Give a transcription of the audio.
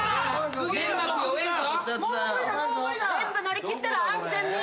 全部のりきったら安全に。